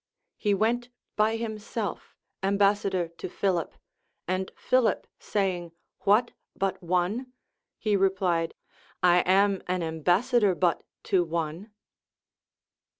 He went by himself ambas sador to Philip ; and Philip saying, What ! but one ? he replied, I am an ambassador but to one.